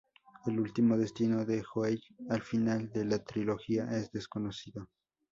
El último destino de Joey al final de la trilogía es desconocido.